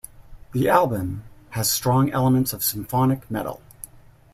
The album has strong elements of symphonic metal.